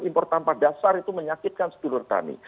impor tanpa dasar itu menyakitkan sedulur kami